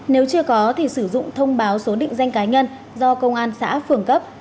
nếu chưa có thì sử dụng thông báo số định danh cá nhân do công an xã phường cấp